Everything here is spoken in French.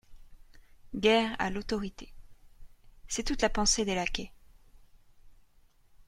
Guerre à l'autorité, c'est toute la pensée des laquais.